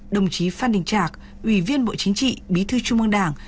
đồng chí phan đình trạc ủy viên bộ chính trị bí thư trung ương đảng